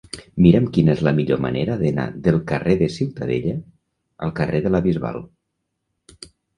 Mira'm quina és la millor manera d'anar del carrer de Ciutadella al carrer de la Bisbal.